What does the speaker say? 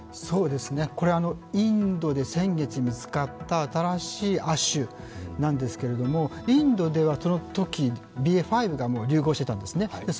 これはインドで先月見つかった新しい亜種なんですけれども、インドではそのとき、ＢＡ．５がもう流行していたんですね。